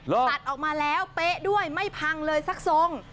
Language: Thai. ตัดออกมาแล้วเป๊ะด้วยไม่พังเลยสักทรง